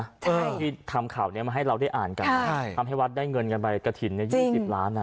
ใช่ที่ทำข่าวเนี้ยมาให้เราได้อ่านกันใช่ทำให้วัดได้เงินกันไปกระถิ่นเนี้ยยี่สิบล้านนะ